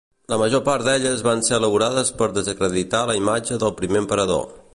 La major part d'elles van ser elaborades per desacreditar la imatge del primer emperador.